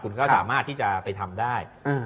คุณก็สามารถที่จะไปทำได้